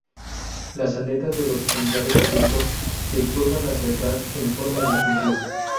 Las aletas de los ejemplares adultos se curvan hacia atrás en forma distintiva.